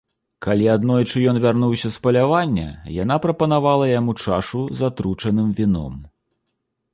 Калі аднойчы ён вярнуўся з палявання, яна прапанавала яму чашу з атручаным віном.